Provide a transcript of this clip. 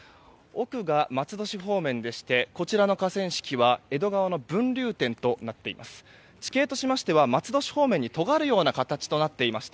奥が、松戸市方面でしてこちらの河川敷は江戸川の分流点となっています。